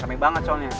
rame banget soalnya